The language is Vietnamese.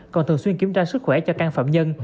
còn thường xuyên kiểm tra sức khỏe cho căn phạm nhân